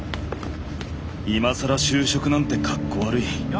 今更就職なんて格好悪い。